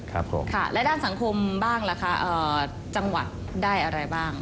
แล้วด้านสังคมบ้างเหรอคะจังหวะได้อะไรบ้าง